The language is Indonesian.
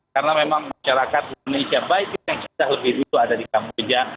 karena memang masyarakat indonesia baik itu yang sudah lebih dulu ada di kamboja